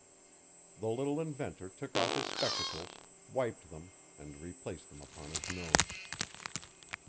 The little inventor took off his spectacles, wiped them, and replaced them upon his nose.